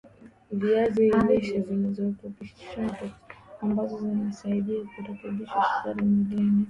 viazi lishe vinavirutubishi vya karotenoids ambazo husaidia kurekebisha sukari mwilini